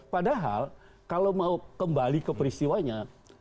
padahal kalau mau kembali ke peristiwanya